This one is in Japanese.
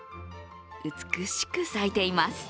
美しく咲いています。